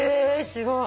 すごい。